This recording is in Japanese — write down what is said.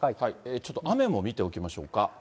ちょっと雨も見ておきましょうか。